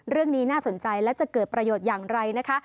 เรื่องนี้น่าสนใจและจะเกิดประโยชน์อย่างไรนะคะ